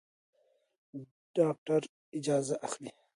ډاکټر اجازه اخلي.